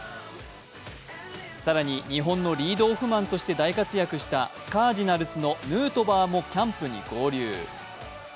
更に日本のリードオフマンとして大活躍したカージナルスのヌートバーもキャンプに合流。